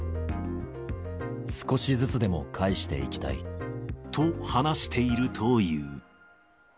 少しずつでも返していきたい。と話しているという。